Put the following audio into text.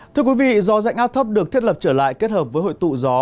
thưa quý vị gió dạnh áp thấp được thiết lập trở lại kết hợp với hội tụ gió